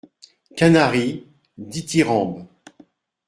=Canaris.= Dithyrambe.